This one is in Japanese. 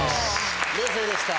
冷静でした。